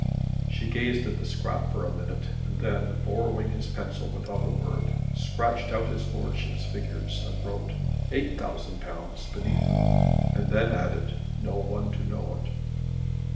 She gazed at the scrap for a minute, and then, borrowing his pencil without a word, scratched out his Lordship's figures and wrote "£8,000," beneath them; and then added, "No one to know it."